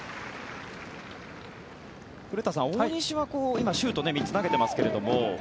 古田さん、大西は今、シュートを３つなげていますが。